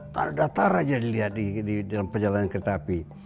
tadatara saja dilihat di dalam perjalanan kereta api